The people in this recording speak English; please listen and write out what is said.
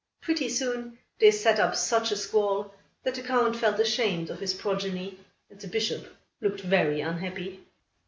Pretty soon, they set up such a squall that the Count felt ashamed of his progeny and the Bishop looked very unhappy.